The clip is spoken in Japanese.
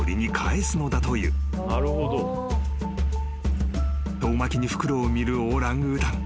［遠巻きに袋を見るオランウータン］